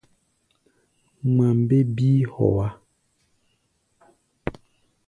Ŋma mbé bíí hɔá.